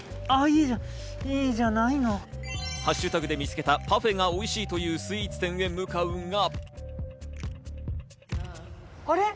ハッシュタグで見つけたパフェがおいしいというスイーツ店へ向かうが。